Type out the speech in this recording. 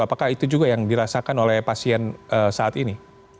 apakah itu juga yang dirasakan oleh pasien saat ini